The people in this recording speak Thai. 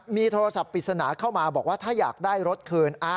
มีโทรศัพท์ปริศนาเข้ามาบอกว่าถ้าอยากได้รถคืน